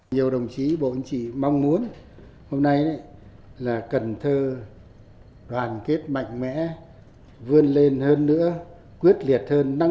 nhiều đồng chí bộ ứng chỉ mong muốn hôm nay là cần thơ đoàn kết mạnh mẽ vươn lên hơn nữa